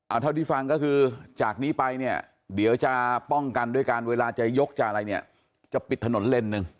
เอาเท่าที่ฟังก็คือจากนี้ไปเนี่ยเดี๋ยวจะป้องกันด้วยการเวลาจะยกจะอะไรเนี่ยจะปิดถนนเลนสหนึ่ง